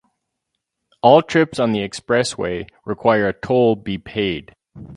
All trips on the expressway require a toll be paid.